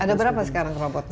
ada berapa sekarang robotnya